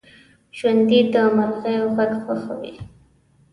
ژوندي د مرغیو غږ خوښوي